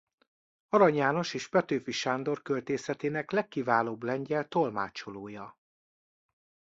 Arany János és Petőfi Sándor költészetének legkiválóbb lengyel tolmácsolója.